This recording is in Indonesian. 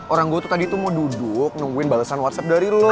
orang gue tuh tadi tuh mau duduk nungguin balesan whatsapp dari lo